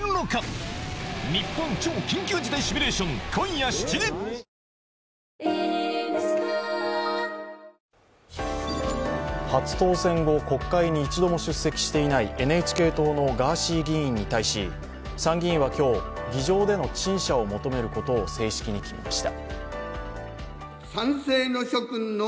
やさしい確定申告はｆｒｅｅｅ初当選後、国会に一度も出席していないＮＨＫ党のガーシー議員に対し参議院は今日議場での陳謝を求めることを正式に決めました。